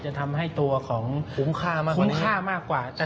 จะทำให้ตัวของคุ้มค่ามากกว่านี้